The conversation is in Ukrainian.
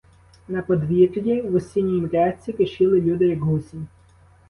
На подвір'ї, в осінній мряці, кишіли люди, як гусінь.